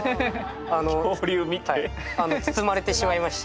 はい包まれてしまいまして。